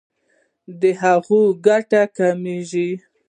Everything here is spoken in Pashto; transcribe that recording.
د هغوی ګټه کمیږي.